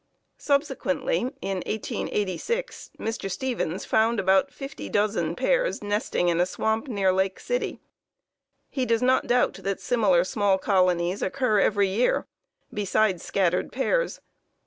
Subsequently, in 1886, Mr. Stevens found about fifty dozen pairs nesting in a swamp near Lake City. He does not doubt that similar small colonies occur every year, besides scattered pairs.